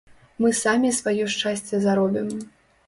Мы самі сваё шчасце заробім.